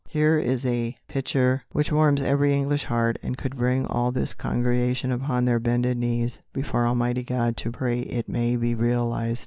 Here is a picture which warms every English heart and could bring all this congregation upon their bended knees before Almighty God to pray it may be realised.